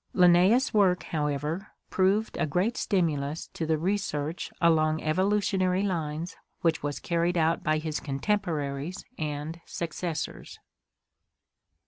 Linnaeus' work, however, proved a great stim ulus to the research along evolutionary lines which was carried out by his contemporaries and successors.